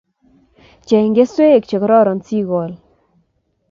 Cheng keswek chekororon sikol